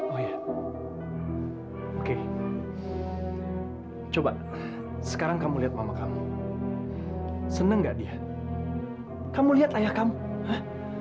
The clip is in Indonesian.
oh ya oke coba sekarang kamu lihat mama kamu senang gak dia kamu lihat ayah kamu ah